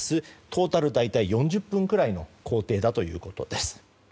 トータル大体４０分くらいの工程だということです。